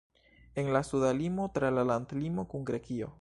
En la suda limo tra la landlimo kun Grekio.